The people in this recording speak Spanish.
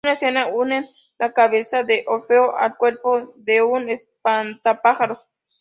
En una escena, unen la cabeza de Orfeo al cuerpo de un espantapájaros.